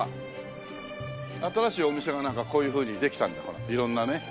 新しいお店がなんかこういうふうにできたんだほら色んなね。